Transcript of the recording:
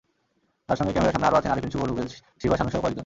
তাঁর সঙ্গে ক্যামেরার সামনে আরও আছেন আরিফিন শুভ, রুবেল, শিবা শানুসহ কয়েকজন।